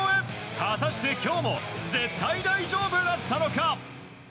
果たして、今日も絶対大丈夫だったのか。